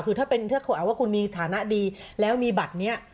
คือถ้าเป็นถ้าเขาแอบว่าคุณมีฐานะดีแล้วมีบัตรเนี้ย